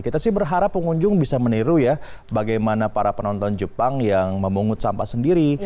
kita sih berharap pengunjung bisa meniru ya bagaimana para penonton jepang yang memungut sampah sendiri